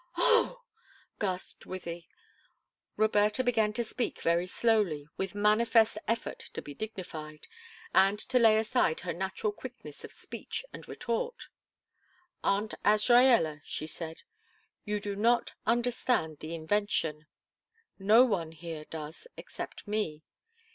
"Oh!" gasped Wythie. Roberta began to speak very slowly, with manifest effort to be dignified, and to lay aside her natural quickness of speech and retort. "Aunt Azraella," she said, "you do not understand the invention no one here does, except me.